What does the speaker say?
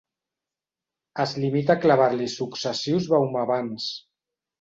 Es limita a clavar-li successius vahomevans.